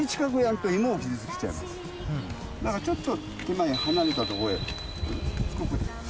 だからちょっと手前離れたとこへ。